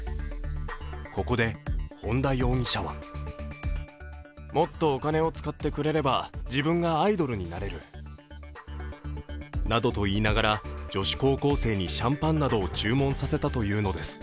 ここで本田容疑者はなどと言いながら女子高校生にシャンパンなどを注文させたというのです。